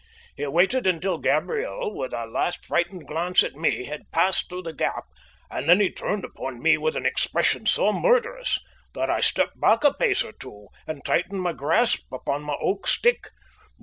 He waited until Gabriel, with a last frightened glance at me, had passed through the gap, and then he turned upon me with an expression so murderous that I stepped back a pace or two, and tightened my grasp upon my oak stick.